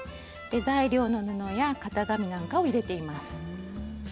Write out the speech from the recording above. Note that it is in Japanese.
材料の布や型紙なんかを入れています。